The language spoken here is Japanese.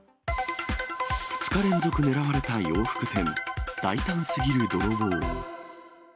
２日連続狙われた洋服店、大胆すぎる泥棒。